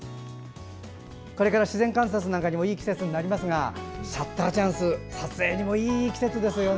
これから自然観察なんかにもいい季節になりますがシャッターチャンス、撮影にもいい季節ですよね。